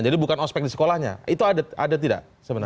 jadi bukan ospek di sekolahnya itu ada tidak sebenarnya